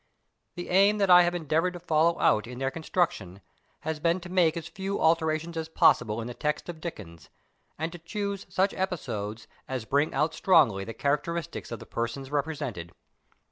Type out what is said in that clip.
The aim that I have endeavoured to follow out in their construction has been to make as few alterations as pos sible in the text of Dickens, and to choose such episodes as bring out strongly the characteristics of the persons represented.